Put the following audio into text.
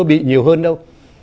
bị nhiều hơn đâu